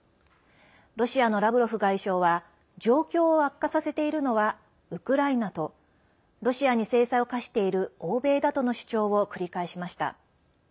ロシアのラブロフ外相は状況を悪化させているのはウクライナとロシアに制裁を科している欧米だとの主張を繰り返しました。